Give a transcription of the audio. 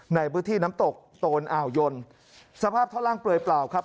ในพื้นที่น้ำตกโตนอ่าวยนสภาพท่อล่างเปลือยเปล่าครับ